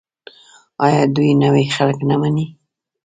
آیا دوی نوي خلک نه مني؟